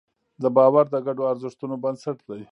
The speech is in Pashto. دا باور د ګډو ارزښتونو بنسټ دی.